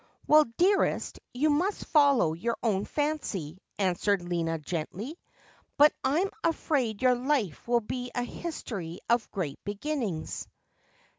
'Well, dearest, you must follow your own fancy,' answered Lina gently ;' but I'm afraid your life will be a history of great beginnings.'